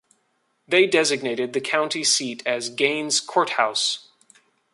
They designated the county seat as Gaines Courthouse.